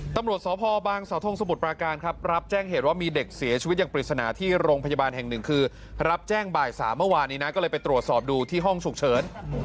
ตำรวจสพบางสาวทงสมุทรปราการครับรับแจ้งเหตุว่ามีเด็กเสียชีวิตอย่างปริศนาที่โรงพยาบาลแห่งหนึ่งคือรับแจ้งบ่าย๓เมื่อวานนี้นะก็เลยไปตรวจสอบดูที่ห้องฉุกเฉิน